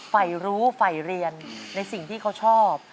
ฝ่ายรู้ฝ่ายเรียนในสิ่งที่เขาชอบ